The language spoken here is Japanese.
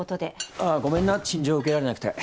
あぁごめんな陳情受けられなくて。